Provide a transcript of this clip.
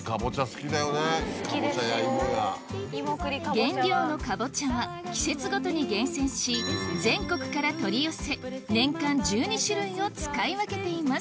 原料のかぼちゃは季節ごとに厳選し全国から取り寄せ年間１２種類を使い分けています